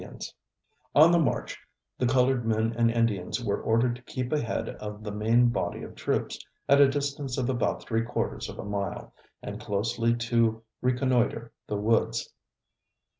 On the march, the colored men and Indians were ordered to keep ahead of the main body of troops, at a distance of about three quarters of a mile, and closely to reconnoitre the woods.